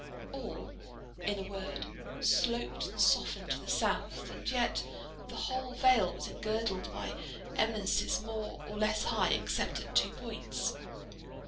All, in a word, sloped and softened to the south; and yet the whole vale was engirdled by eminences, more or less high, except at two points.